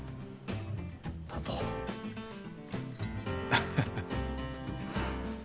ハハハハ。